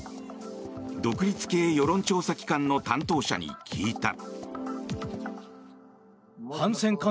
独立系世論調査機関の担当者に聞いた。